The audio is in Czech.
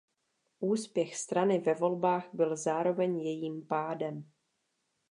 Úspěch strany ve volbách byl zároveň jejím pádem.